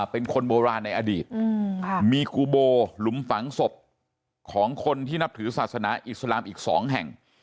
เป็นคนโบราณในอดีตมีกูโบหลุมฝังศพของคนที่นับถือศาสนาอิสลามอีก๒แห่ง